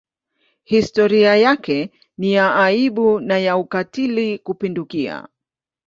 Historia yake ni ya aibu na ya ukatili kupindukia.